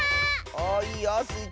おっいいよスイ